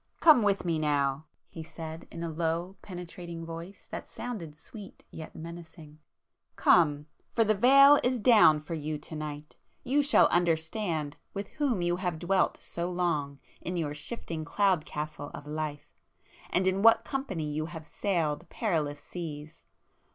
"Come with me now!" he said in a low penetrating voice that sounded sweet, yet menacing—"Come!—for the veil is down for you to night! You shall understand with WHOM you have dwelt so long in your shifting cloud castle of life!—and in What company you have sailed perilous seas!